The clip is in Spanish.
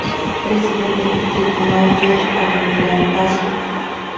Presidente del Tribunal del Almirantazgo.